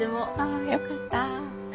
あよかった。